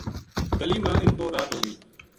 گلی ما اِن م پورات ہو گئی